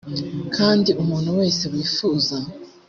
kandi umuntu wese wifuza